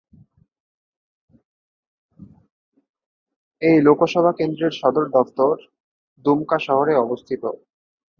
এই লোকসভা কেন্দ্রের সদর দফতর দুমকা শহরে অবস্থিত।